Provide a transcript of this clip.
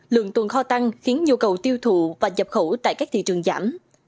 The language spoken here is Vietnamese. lượng tuần kho tăng khiến nhu cầu tiêu thụ và dập khẩu tại các thị trường giảm